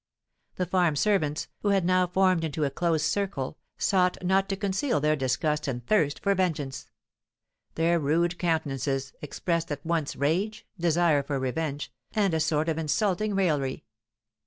The farm servants, who had now formed into a close circle, sought not to conceal their disgust and thirst for vengeance; their rude countenances expressed at once rage, desire for revenge, and a sort of insulting raillery.